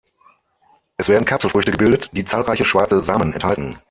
Es werden Kapselfrüchte gebildet, die zahlreiche schwarze Samen enthalten.